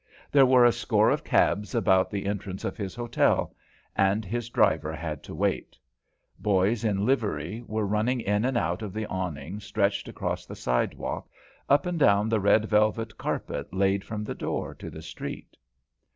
There were a score of cabs about the entrance of his hotel, and his driver had to wait. Boys in livery were running in and out of the awning stretched across the sidewalk, up and down the red velvet carpet laid from the door to the street.